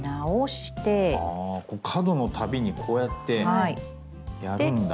あ角の度にこうやってやるんだ。